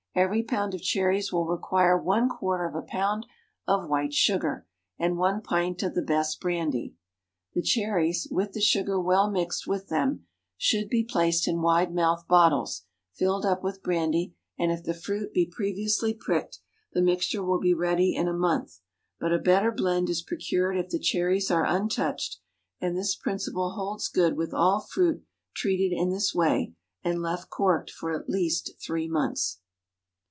Every pound of cherries will require one quarter of a pound of white sugar, and one pint of the best brandy. The cherries, with the sugar well mixed with them, should be placed in wide mouthed bottles, filled up with brandy; and if the fruit be previously pricked, the mixture will be ready in a month. But a better blend is procured if the cherries are untouched, and this principle holds good with all fruit treated in this way, and left corked for at least three months.